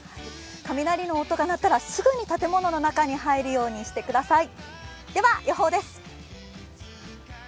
雷の音が鳴ったらすぐに建物の中に入るようにしてください。